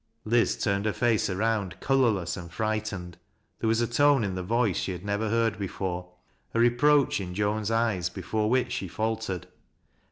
Liz turned her face around, colorless and frightened There was a tone in the voice she had never heard before 1 reproach in Joan's eyes before which she faltered.